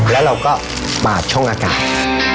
แล้วเราก็ปาดช่องอากาศ